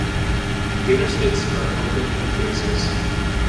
The Interstate spur opened in phases.